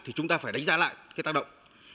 thì chúng ta phải đánh giá lại cái tác động